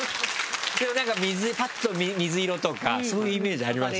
なんかパっと水色とかそういうイメージありますもんね。